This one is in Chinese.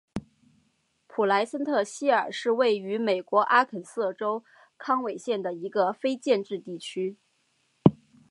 普莱森特希尔是位于美国阿肯色州康韦县的一个非建制地区。